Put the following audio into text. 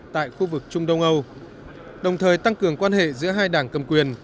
tại khu vực trung đông âu đồng thời tăng cường quan hệ giữa hai đảng cầm quyền